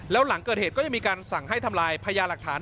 แล้วหลังเกิดเหตุก็ยังมีการสั่งให้ทำลายพญาหลักฐาน